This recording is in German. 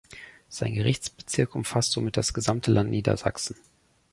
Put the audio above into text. Sein Gerichtsbezirk umfasst somit das gesamte Land Niedersachsen.